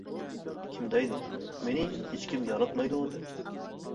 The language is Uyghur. -كىم دەيدۇ؟ مېنى ھېچكىم ياراتمايدۇ، دەپ.